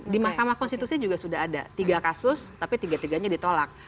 di mahkamah konstitusi juga sudah ada tiga kasus tapi tiga tiganya ditolak